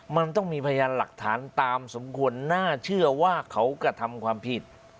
มันต้องมีพยานหลักฐานตามสมควรน่าเชื่อว่าเขากระทำความผิด